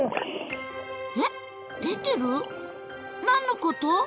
何のこと？